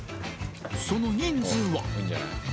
その人数は？